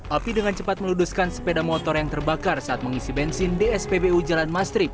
api dengan cepat meluduskan sepeda motor yang terbakar saat mengisi bensin di spbu jalan mastrip